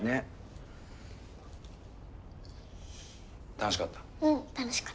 うん楽しかった。